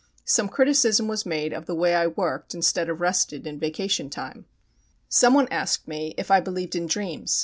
Some criticism was made of the way I worked instead of rested in vacation time. Someone asked me if I believed in dreams.